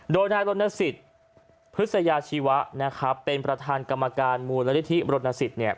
โดยนายรณสิทธิ์พฤษยาชีวะนะครับเป็นประธานกรรมการมูลนิธิรณสิทธิเนี่ย